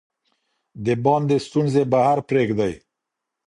د باندې ستونزې بهر پریږدئ.